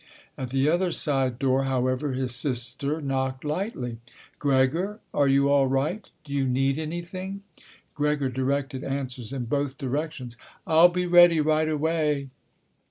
At the other side door, however, his sister knocked lightly. "Gregor? Are you all right? Do you need anything?" Gregor directed answers in both directions, "I'll be ready right away."